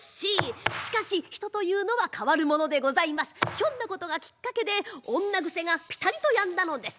ひょんなことがきっかけで女癖がピタリと止んだのです。